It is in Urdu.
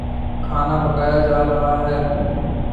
کھانا پکایا جا رہا ہے